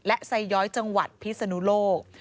และไซย้อยจังหวัดพิศนุโลก